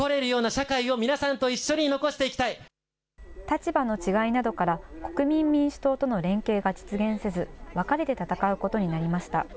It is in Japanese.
立場の違いなどから、国民民主党との連携が実現せず分かれて戦うことになりました。